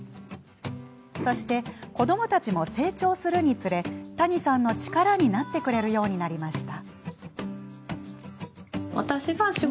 そして、子どもたちも成長するにつれ谷さんの力になってくれるようになりました。